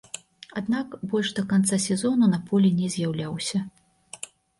Аднак, больш да канца сезону на полі не з'яўляўся.